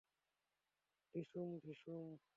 ঢিসুম, ঢিসুম!